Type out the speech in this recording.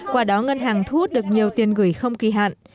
qua đó ngân hàng thu hút được nhiều tiền gửi không kỳ hạn